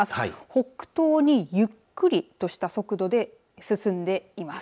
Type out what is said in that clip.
北東にゆっくりとした速度で進んでいます。